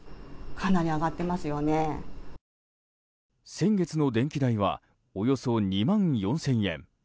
先月の電気代はおよそ２万４０００円。